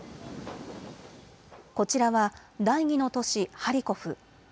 こちらは第２の都市ハリコフ。